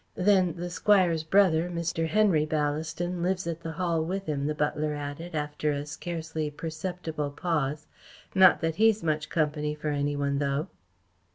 Then the Squire's brother Mr. Henry Ballaston lives at the Hall with him," the butler added, after a scarcely perceptible pause. "Not that he's much company for any one, though."